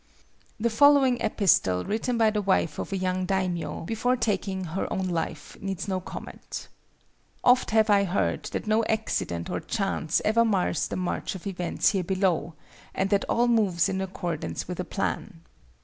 The following epistle written by the wife of a young daimio, before taking her own life, needs no comment:—"Oft have I heard that no accident or chance ever mars the march of events here below, and that all moves in accordance with a plan.